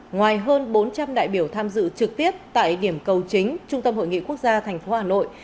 ngoài hơn bốn trăm linh đại biểu tham dự trực tiếp tại điểm cầu chính trung tâm hội nghị quốc gia tp hà nội